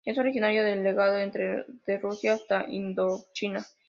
Es originario del lejano este de Rusia hasta Indochina.